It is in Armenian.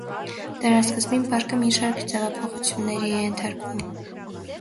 Դարասկզբին պարկը մի շարք ձևափոխությունների է ենթարկվում։